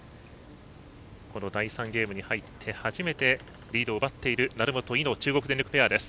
第３ゲームに入って初めてリードを奪っている成本、井の中国電力ペアです。